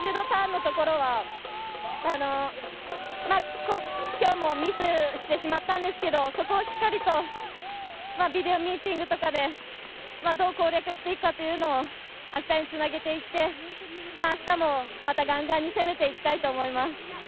ターンのところは今日もミスしてしまったんですけどそこをしっかりとビデオミーティングとかでどう攻略していくかというのをあしたにつなげていってあしたも、またガンガンに攻めていきたいと思います。